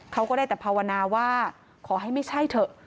ก็ได้แต่ภาวนาว่าขอให้ไม่ใช่เถอะ